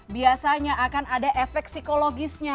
biasanya akan ada efek psikologisnya